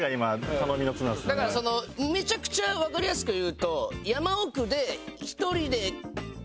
だからめちゃくちゃわかりやすく言うと。